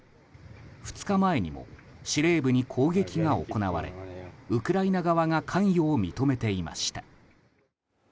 ２日前にも司令部に攻撃が行われウクライナ側が関与を認めていました。